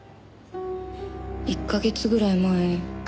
１カ月ぐらい前。